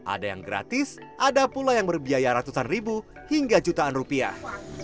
ada yang gratis ada pula yang berbiaya ratusan ribu hingga jutaan rupiah